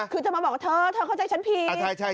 คือจะมาบอกเธอเธอเข้าใจฉันผิด